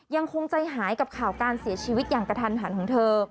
ยังคงใจหายกับข่าวการเสียชีวิตอย่างกระทันหันของเธอ